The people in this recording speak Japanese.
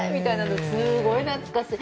すごい懐かしい。